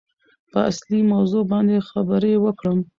په اصلي موضوع باندې خبرې وکړم.